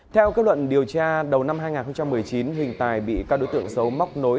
theo kết luận điều tra đầu năm hai nghìn một mươi chín hình tài bị các đối tượng xấu móc nối